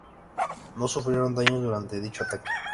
No sufrieron daños durante dicho ataque.